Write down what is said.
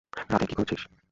রাধে, কি করছিস?